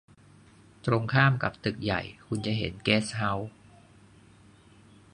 ตรงข้ามกับตึกใหญ่ คุณจะเห็นเกสต์เฮาส์